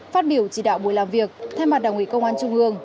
phát biểu chỉ đạo buổi làm việc thay mặt đảng ủy công an trung ương